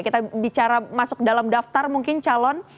kita bicara masuk dalam daftar mungkin calon